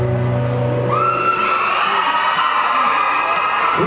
สวัสดีครับ